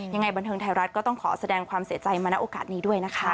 ยังไงบันเทิงไทยรัฐก็ต้องขอแสดงความเสียใจมาณโอกาสนี้ด้วยนะคะ